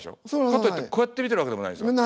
かといってこうやって見てるわけでもないでしょ？